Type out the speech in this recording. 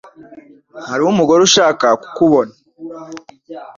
Hariho umugore ushaka kukubona.